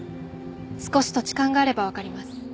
少し土地勘があればわかります。